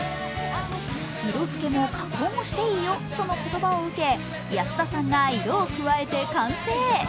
色付けも加工もしていいよとの言葉を受け、安田さんが色を加えて完成。